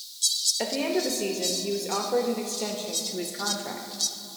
At the end of the season he was offered an extension to his contract.